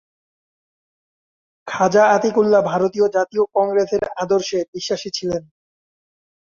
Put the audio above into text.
খাজা আতিকুল্লাহ ভারতীয় জাতীয় কংগ্রেসের আদর্শে বিশ্বাসী ছিলেন।